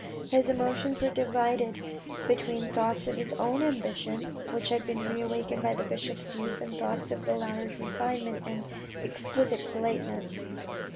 His emotions were divided between thoughts of his own ambition which had been re awakened by the bishop's youth and thoughts of the latter's refinement and exquisite politeness.